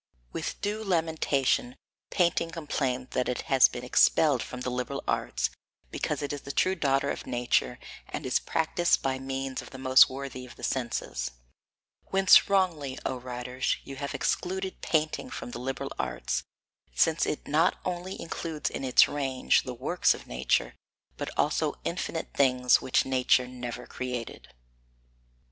With due lamentation Painting complains that it has been expelled from the liberal arts, because it is the true daughter of nature and is practised by means of the most worthy of the senses. Whence wrongly, O writers, you have excluded painting from the liberal arts, since it not only includes in its range the works of nature, but also infinite things which nature never created. 5.